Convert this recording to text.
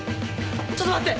ちょっと待って。